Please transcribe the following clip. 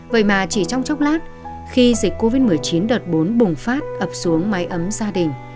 vậy mà chỉ trong chốc lát khi dịch covid một mươi chín đợt bốn bùng phát ập xuống máy ấm gia đình